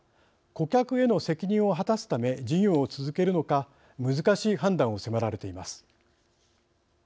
顧客への責任を果たすため事業を続けるのか難しい判断を迫られています。